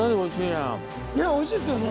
ねっおいしいですよね。